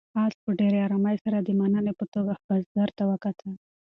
آس په ډېرې آرامۍ سره د مننې په توګه بزګر ته وکتل.